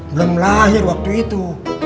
belum lahir waktu itu